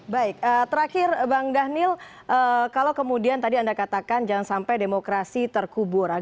baik terakhir bang dhanil kalau kemudian tadi anda katakan jangan sampai demokrasi terkubur